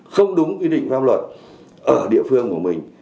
không đúng quy định pháp luật ở địa phương của mình